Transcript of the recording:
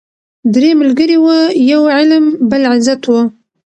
درې ملګري وه یو علم بل عزت وو